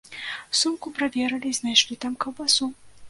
Сумку праверылі і знайшлі там каўбасу.